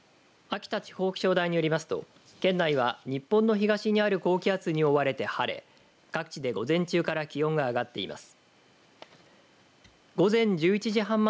秋田地方気象台によりますと県内は、日本の東にある高気圧に覆われて晴れ各地で午前中から気温が上がっています。